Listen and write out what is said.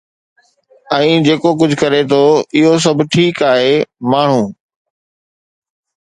۽ جيڪو ڪجهه ڪري ٿو اهو سڀ ٺيڪ آهي، ماڻهو